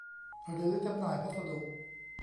หรือจำหน่ายพัสดุ